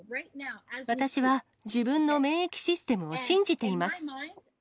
私は自分の免疫システムを信じています。